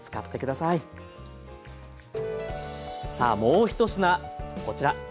さあもう１品こちら。